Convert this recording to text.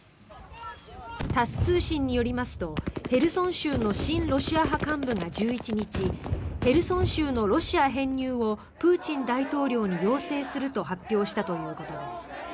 タス通信によりますとヘルソン州の親ロシア派幹部が１１日ヘルソン州のロシア編入をプーチン大統領に要請すると発表したということです。